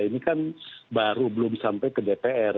ini kan baru belum sampai ke dpr